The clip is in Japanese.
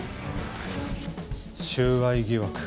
収賄疑惑